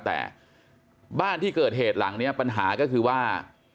แต่บ้านที่เกิดเหตุหลังนี้ปัญหาก็คือว่า